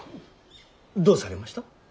どうされました。